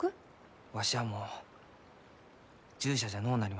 わしはもう従者じゃのうなりました。